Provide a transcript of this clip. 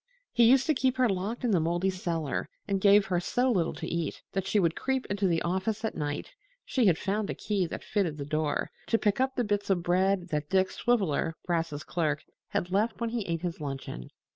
He used to keep her locked in the moldy cellar and gave her so little to eat that she would creep into the office at night (she had found a key that fitted the door) to pick up the bits of bread that Dick Swiveller, Brass's clerk, had left when he ate his luncheon.